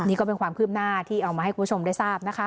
นี่ก็เป็นความคืบหน้าที่เอามาให้คุณผู้ชมได้ทราบนะคะ